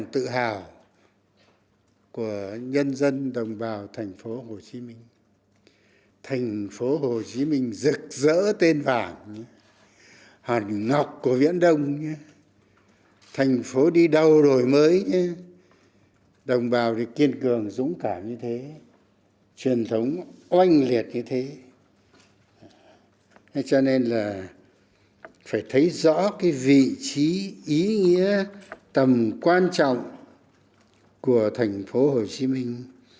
truyền thống oanh liệt như thế cho nên là phải thấy rõ vị trí ý nghĩa tầm quan trọng của thành phố hồ chí minh